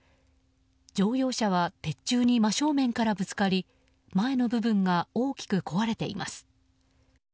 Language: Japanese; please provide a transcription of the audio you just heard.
乗用車は鉄柱に真正面からぶつかり前の部分が大きく壊れています。